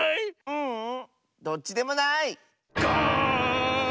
ううんどっちでもない！ガーン！